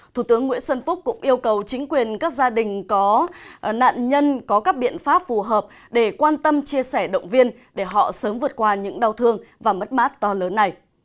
thủ tướng nguyễn xuân phúc cũng yêu cầu chính quyền các gia đình có nạn nhân có các biện pháp phù hợp để quan tâm chia sẻ động viên để họ sớm vượt qua những đau thương và mất mát to lớn này